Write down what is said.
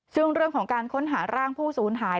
ซึ่งเรื่องของการค้นหาร่างผู้สูญหาย